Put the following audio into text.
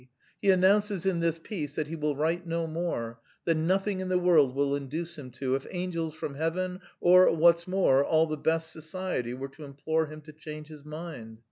_ He announces in this piece that he will write no more, that nothing in the world will induce him to, if angels from Heaven or, what's more, all the best society were to implore him to change his mind.